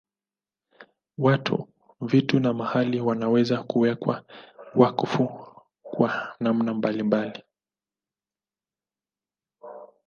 Watu, vitu na mahali wanaweza kuwekwa wakfu kwa namna mbalimbali.